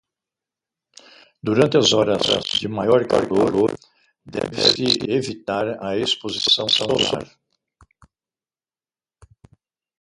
Durante as horas de maior calor, deve-se evitar a exposição solar.